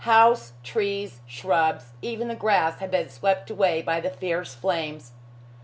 House, trees, shrubs, even the grass had been swept away by the fierce flames.